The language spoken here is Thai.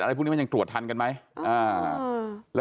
อะไรพรุ่งี้มันตรวจทันกันไหม